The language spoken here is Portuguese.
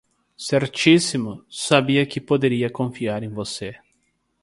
Certíssimo, sabia que poderia confiar em você